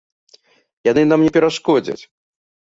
Яны нам не перашкодзяць!